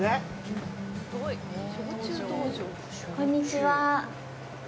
こんにちは。